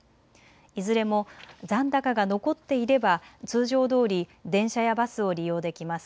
いずれも残高が残っていれば通常どおり電車やバスを利用できます。